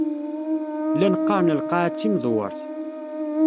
Llan qqaren Lqaɛa d timdewwert.